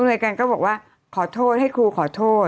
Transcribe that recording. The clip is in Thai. รายการก็บอกว่าขอโทษให้ครูขอโทษ